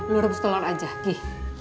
lu rebus telur aja gih